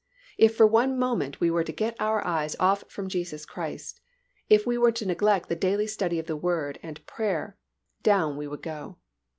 If for one moment we were to get our eyes off from Jesus Christ, if we were to neglect the daily study of the Word and prayer, down we would go.